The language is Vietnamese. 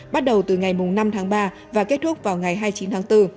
bắt đầu từ ngày năm tháng ba và kết thúc vào ngày hai mươi chín tháng bốn